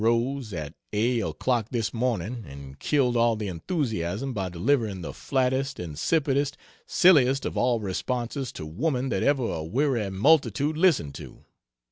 rose, at a o'clock this morning and killed all the enthusiasm by delivering the flattest, insipidest, silliest of all responses to "Woman" that ever a weary multitude listened to.